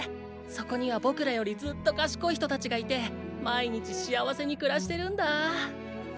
そこには僕らよりずっと賢い人達がいて毎日幸せに暮らしてるんだ。